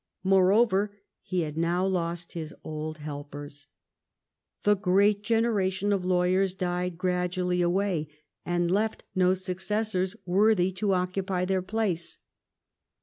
Moreover, he had now lost his old helpers. The great generation of lawyers died gradually away, and left no successors worthy to occupy their place.